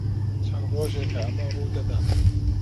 چەند ڕۆژێکە ئەمە ڕوو دەدات.